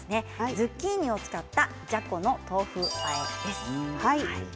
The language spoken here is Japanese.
ズッキーニを使ったじゃこの豆腐あえです。